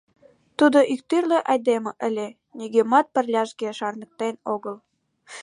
Тудо иктӱрлӧ айдеме ыле, нигӧмат пырляжге шарныктен огыл.